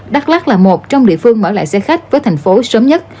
đắk lắc là một trong địa phương mở lại xe khách với thành phố sớm nhất